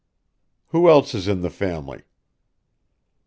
"Who else is in the family?"